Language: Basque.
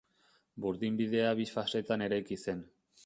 Burdinbidea bi fasetan eraiki zen.